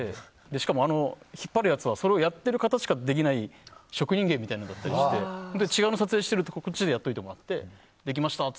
しかも引っ張るやつはあれをやっている人しかできない職人芸みたいだったりして違うの撮影していてこっちでやっておいてもらってできました！